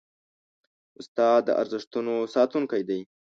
استاد د ارزښتونو ساتونکی دی.